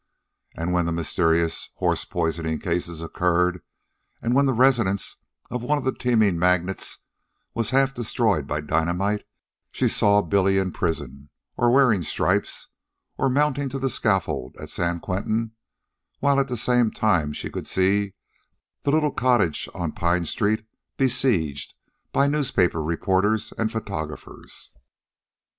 And when the mysterious horse poisoning cases occurred, and when the residence of one of the teaming magnates was half destroyed by dynamite, she saw Billy in prison, or wearing stripes, or mounting to the scaffold at San Quentin while at the same time she could see the little cottage on Pine street besieged by newspaper reporters and photographers.